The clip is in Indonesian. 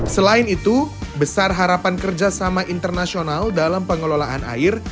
selain itu besar harapan kerjasama internasional dalam pengelolaan air